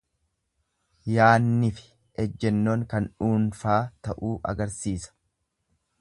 Yaanniifi ejjennoon kan dhuunfaa ta'uu agarsiisa.